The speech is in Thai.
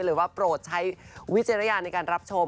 หรือว่าโปรดใช้วิจารณญาณในการรับชม